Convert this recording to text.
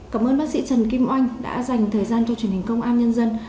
cảm ơn bác sĩ trần kim oanh đã dành thời gian cho truyền hình công an nhân dân